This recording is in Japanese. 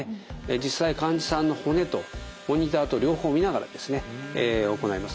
実際患者さんの骨とモニターと両方見ながらですね行います。